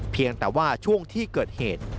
เพียงแต่ว่าช่วงที่เกิดเหตุ